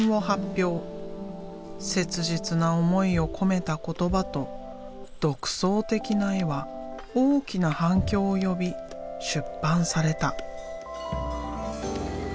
切実な思いを込めた言葉と独創的な絵は大きな反響を呼び出版された。